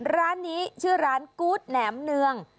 ร้านนี้ชื่อร้านกู๊ดแหนมเนือง